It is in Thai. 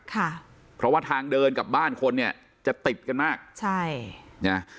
ค่ะเพราะว่าทางเดินกับบ้านคนเนี่ยจะติดกันมากใช่นะ